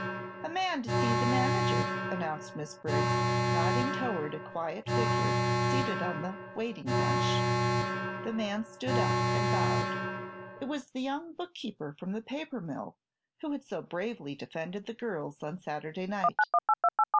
"A man to see the manager," announced Miss Briggs, nodding toward a quiet figure seated on the "waiting bench." The man stood up and bowed. It was the young bookkeeper from the paper mill, who had so bravely defended the girls on Saturday night.